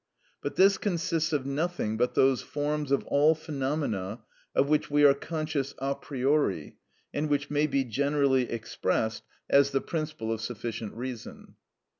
But this consists of nothing but those forms of all phenomena of which we are conscious a priori, and which may be generally expressed as the principle of sufficient reason.